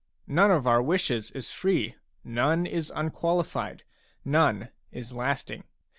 None of our wishes is free, none is unqualified, none is lasting.